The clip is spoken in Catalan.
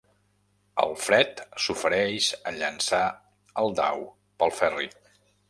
El Fred s'ofereix a llançar el dau pel Ferri.